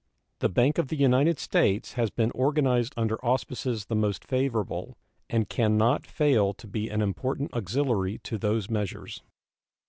The Bank of the United States has been organized under auspices the most favorable, and can not fail to be an important auxiliary to those measures.